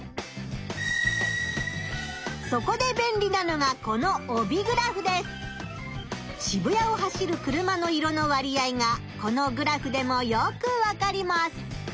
そこでべんりなのがこの渋谷を走る車の色の割合がこのグラフでもよくわかります。